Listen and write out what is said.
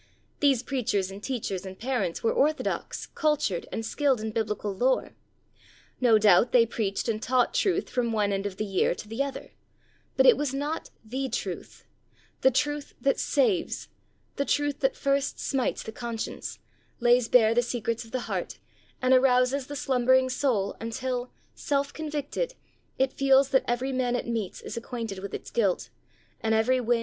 These preachers and teachers and parents were orthodox, cultured, and skilled in Biblical lore. No doubt they preached and taught truth from one end of the year to the other, but it was not the truth — the truth that saves, the truth that first smites the con science, lays bare the secrets of the heart, and arouses the slumbering soul until, self convicted, it feels that every man it meets is acquainted with its guilt, and every wind SAVING TRUTH.